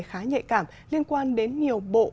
khá nhạy cảm liên quan đến nhiều bộ